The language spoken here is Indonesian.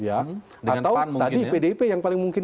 atau tadi pdip yang paling mungkin